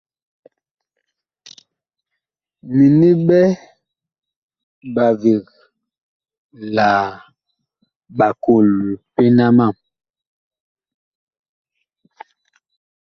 Mini ɓɛ ɓaveg la ɓakol pena mam.